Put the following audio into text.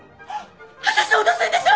私を脅すんでしょ！？